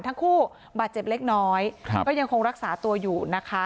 ทั้งคู่บาดเจ็บเล็กน้อยก็ยังคงรักษาตัวอยู่นะคะ